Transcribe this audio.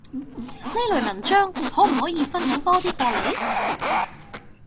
呢類文章可唔可以分享多啲過嚟？